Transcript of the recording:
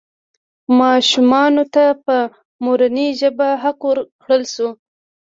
ماشومانو ته په مورنۍ ژبه حق ورکړل شوی.